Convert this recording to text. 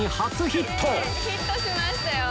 ヒットしましたよ！